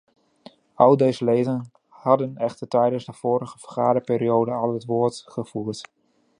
Al deze leden hadden echter tijdens de vorige vergaderperiode al het woord gevoerd.